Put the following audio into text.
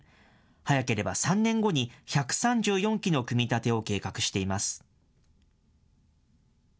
早ければ３年後に１３４基の組み立てを計画しています。